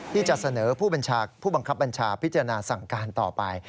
ที่จะเสนอผู้บังคับบัญชาพิจารณาสั่งการต่อไป